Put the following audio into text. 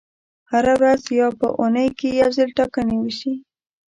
هره ورځ یا په اونۍ کې یو ځل ټاکنې وشي.